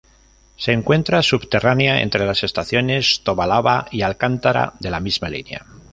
Se encuentra subterránea, entre las estaciones Tobalaba y Alcántara de la misma línea.